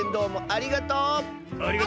ありがとう！